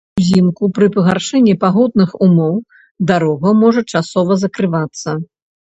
Узімку пры пагаршэнні пагодных умоў дарога можа часова закрывацца.